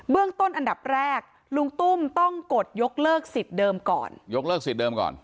ต้นอันดับแรกลุงตุ้มต้องกดยกเลิกสิทธิ์เดิมก่อนยกเลิกสิทธิ์เดิมก่อน